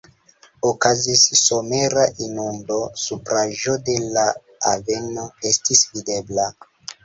Okazis somera inundo, supraĵo de la aveno estis videbla.